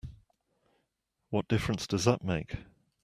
What difference does that make?